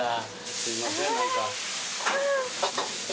すいません何か。